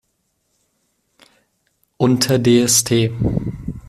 Unter Dst.